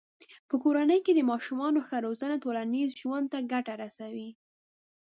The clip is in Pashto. په کورنۍ کې د ماشومانو ښه روزنه ټولنیز ژوند ته ګټه رسوي.